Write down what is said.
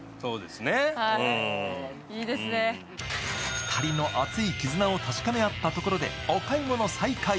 ２人の厚い絆を確かめあったところでお買い物を再開。